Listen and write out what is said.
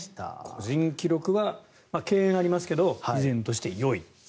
個人記録は敬遠はありますが依然としてよい。